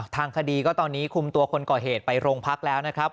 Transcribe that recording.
ทางคดีก็ตอนนี้คุมตัวคนก่อเหตุไปโรงพักแล้วนะครับ